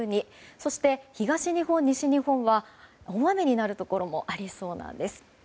そして、東日本、西日本は大雨になるところもありそうなんです。